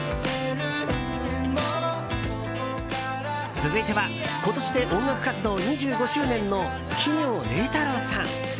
続いては今年で音楽活動２５周年の奇妙礼太郎さん。